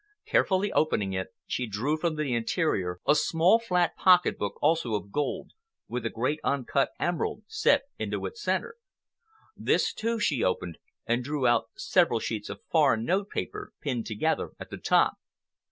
Carefully opening it, she drew from the interior a small flat pocketbook, also of gold, with a great uncut emerald set into its centre. This, too, she opened, and drew out several sheets of foreign note paper pinned together at the top.